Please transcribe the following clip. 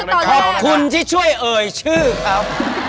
ขอบคุณที่ช่วยเอ่ยชื่อครับ